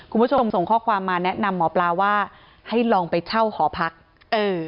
คุณผู้ชมส่งข้อความมาแนะนำหมอปลาว่าให้ลองไปเช่าหอพักเออ